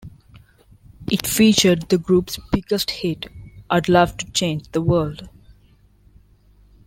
It featured the group's biggest hit, "I'd Love to Change the World".